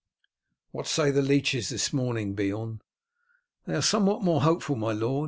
"What say the leeches this morning, Beorn? "They are somewhat more hopeful, my lord.